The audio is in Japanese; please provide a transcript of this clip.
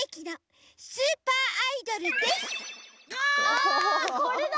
あこれだ！